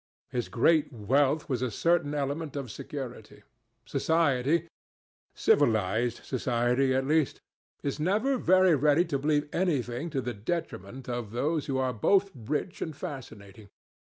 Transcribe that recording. His great wealth was a certain element of security. Society—civilized society, at least—is never very ready to believe anything to the detriment of those who are both rich and fascinating.